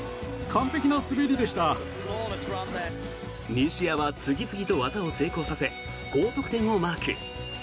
西矢は次々と技を成功させ高得点をマーク。